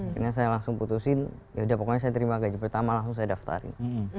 akhirnya saya langsung putusin yaudah pokoknya saya terima gaji pertama langsung saya daftarin